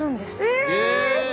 え！